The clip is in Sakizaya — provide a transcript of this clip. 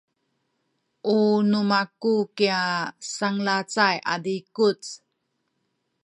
u nu maku kya sanglacay a zikuc.